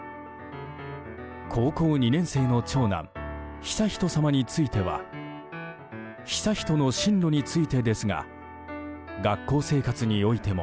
高校２年生の長男悠仁さまについては悠仁の進路についてですが学校生活においても